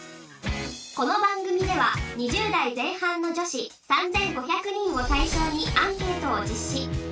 この番組では２０代前半の女子３５００人を対象にアンケートを実施